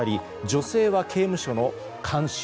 女性は刑務所の看守。